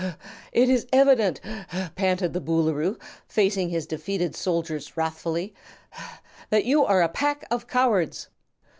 "It is evident," panted the Boolooroo, facing his defeated soldiers wrathfully, "that you are a pack of cowards!"